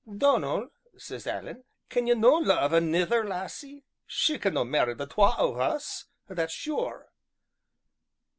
'Donal,' says Alan, 'can ye no love anither lassie; she can no marry the twa o' us, that's sure!'